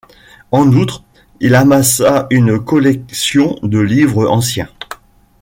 En outre, il amassa une collection de livres anciens.